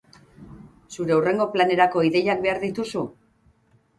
Zure hurrengo planerako ideiak behar dituzu?